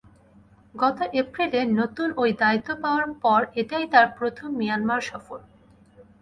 গত এপ্রিলে নতুন ওই দায়িত্ব পাওয়ার পর এটাই তাঁর প্রথম মিয়ানমার সফর।